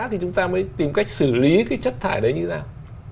thì chúng ta mới tìm cách xử lý cái chất thải đấy như thế nào